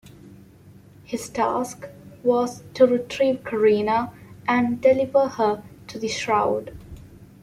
His task was to retrieve Karina and deliver her to the Shroud.